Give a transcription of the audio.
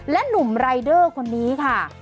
และหนุ่มรายเดอร์คนนี้ค่ะ